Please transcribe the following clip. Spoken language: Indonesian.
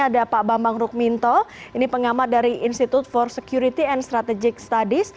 ada pak bambang rukminto ini pengamat dari institute for security and strategic studies